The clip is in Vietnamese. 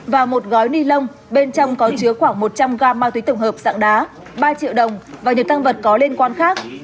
và một gói ni lông bên trong có chứa khoảng một trăm linh g ma túy tổng hợp dạng đá ba triệu đồng và nhiều tăng vật có liên quan khác